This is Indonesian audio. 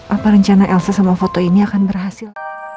apa rencana elsa sama foto ini akan berhasil